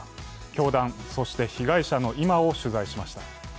教団、そして被害者の今を取材しました。